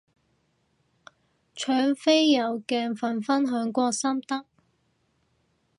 搶飛有鏡粉分享過心得